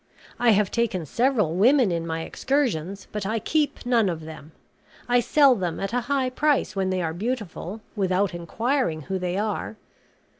I have taken several women in my excursions; but I keep none of them. I sell them at a high price, when they are beautiful, without inquiring who they are.